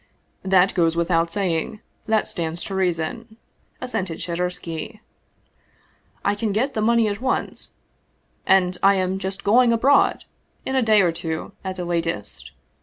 " That goes without saying. That stands to reason," as sented Shadursky. " I can get the money at once and I am just going abroad, in a day or two at the latest.